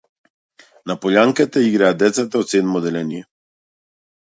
На полјанката играат децата од седмо одделение.